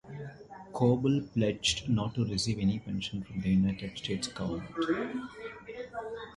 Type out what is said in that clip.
Coble pledged not to receive any pension from the United States government.